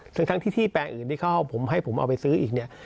ทั้งที่ที่แปลงอื่นที่เขาผมให้ผมเอาไปซื้ออีกเนี่ย